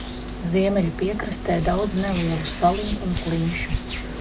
Ziemeļu piekrastē daudz nelielu saliņu un klinšu.